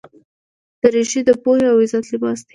دریشي د پوهې او عزت لباس دی.